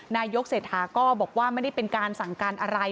นายกเศรษฐาก็บอกว่าไม่ได้เป็นการสั่งการอะไร